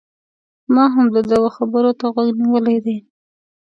ما هم د ده و خبرو ته غوږ نيولی دی